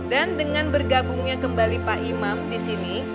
dan dengan bergabungnya kembali pak imam disini